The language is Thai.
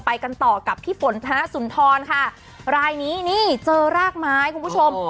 ไปกันต่อกับพี่ฝนธนสุนทรค่ะรายนี้นี่เจอรากไม้คุณผู้ชม